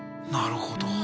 なるほど。